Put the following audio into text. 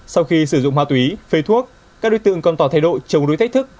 sau khi sử dụng ma túy phê thuốc các đối tượng còn tỏ thay đội chống đối thách thức